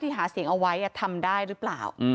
หาเสียงเอาไว้ทำได้หรือเปล่า